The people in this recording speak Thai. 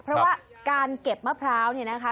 เพราะว่าการเก็บมะพร้าวเนี่ยนะคะ